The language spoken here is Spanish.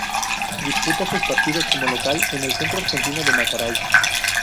Disputa sus partidos como local en el Centro Argentino de Maracay.